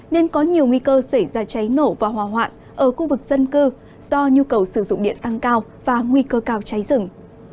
nên có nhiều nguy cơ xảy ra cháy nổ và hỏa hoạn ở khu vực dân cư do nhu cầu sử dụng điện tăng cao và nguy cơ cao cháy rừng